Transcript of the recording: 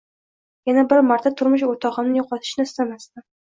Yana bir marta turmush o'rtog'imni yo'qotishni istamasdim